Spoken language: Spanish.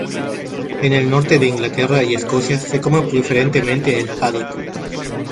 En el norte de Inglaterra y Escocia se come preferentemente el haddock.